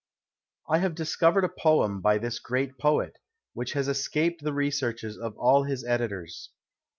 I have discovered a poem by this great poet, which has escaped the researches of all his editors.